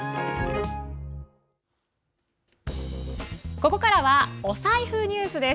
ここからは、お財布ニュースです。